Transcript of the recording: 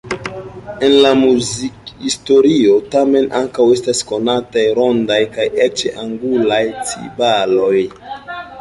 En la muzikhistorio tamen ankaŭ estas konataj rondaj kaj eĉ angulaj timbaloj.